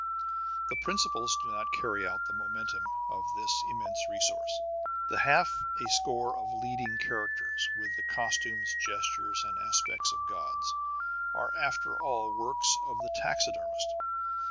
The principals do not carry out the momentum of this immense resource. The half a score of leading characters, with the costumes, gestures, and aspects of gods, are after all works of the taxidermist.